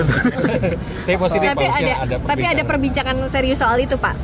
tapi ada perbincangan serius soal itu pak